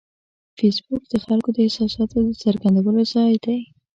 فېسبوک د خلکو د احساساتو د څرګندولو ځای دی